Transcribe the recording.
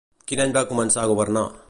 Quin any va començar a governar?